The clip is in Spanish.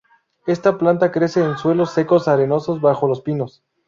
Esta planta crece en suelos secos, arenosos, bajo los pinos.